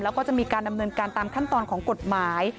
แล้วก็จะมีการดำเนินการตามขั้นตอนของกฎหมาย